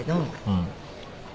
うん。